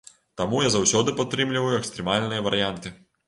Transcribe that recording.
Таму я заўсёды падтрымліваю экстрэмальныя варыянты.